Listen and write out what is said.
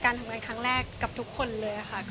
ทำงานครั้งแรกกับทุกคนเลยค่ะ